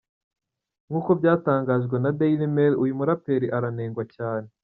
Nkuko byatangajwe na dailymail, uyu muraperi aranengwa cyane.